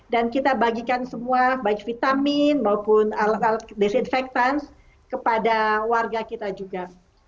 dan kita bagikan semua baik vitamin maupun alat alat desinfektan kepada warga kita juga